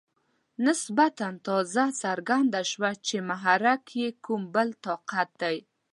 نسبتاً تازه څرګنده شوه چې محرک یې کوم بل طاقت دی.